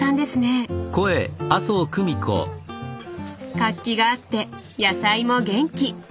活気があって野菜も元気！